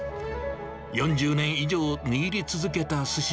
４０年以上握り続けたすし。